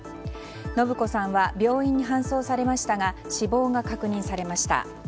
伸子さんは病院に搬送されましたが死亡が確認されました。